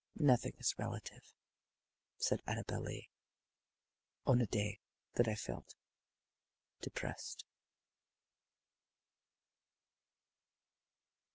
Nothing is relative," said Annabel Lee, on a day that I felt depressed.